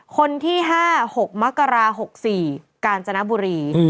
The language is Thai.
คนที่๕๖มกรา๖๔กาญจนบุรี